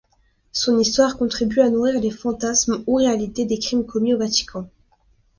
Son histoire contribue à nourrir les fantasmes ou réalités des crimes commis au Vatican.